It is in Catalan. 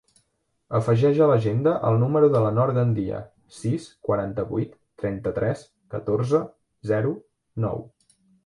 Afegeix a l'agenda el número de la Nor Gandia: sis, quaranta-vuit, trenta-tres, catorze, zero, nou.